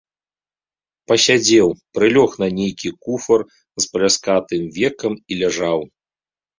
Пасядзеў, прылёг на нейкі куфар з пляскатым векам і ляжаў.